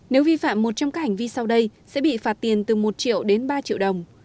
nếu vi phạm một trong các hành vi sau đây sẽ bị phạt tiền từ một triệu đến ba triệu đồng